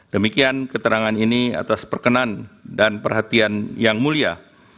demikian keterangan ini atas perkenan dan perhatian yang mulia